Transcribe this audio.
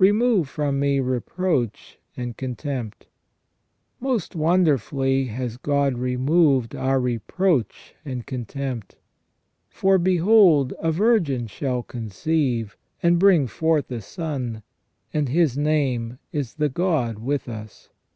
Remove from me reproach and con tempt." Most wonderfully has God removed our reproach and contempt. For, " Behold, a virgin shall conceive, and bring forth a Son, and His name is the God with us.